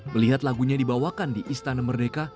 melihat lagunya dibawakan di istana merdeka